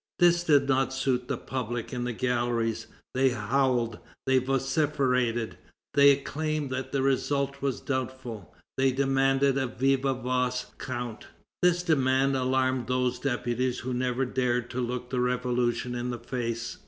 This did not suit the public in the galleries. They howled, they vociferated. They claimed that the result was doubtful. They demanded a viva voce count. This demand alarmed those deputies who never dared to look the Revolution in the face.